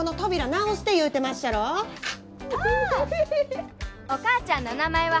お母ちゃんの名前は花田ツヤ。